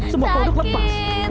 semua produk lepas